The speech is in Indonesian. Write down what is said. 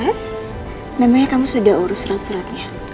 les memangnya kamu sudah urus surat suratnya